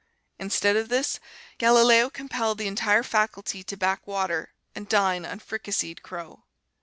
Instead of this, Galileo compelled the entire faculty to back water and dine on fricasseed crow.